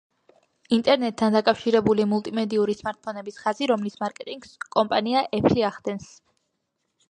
ინტერნეტთან დაკავშირებული მულტიმედიური სმარტფონების ხაზი, რომლის მარკეტინგს კომპანია Apple ახდენს.